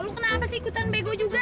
lu kenapa sih ikutan bego juga